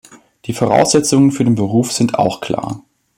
Die Voraussetzungen für den Beruf sind auch klar.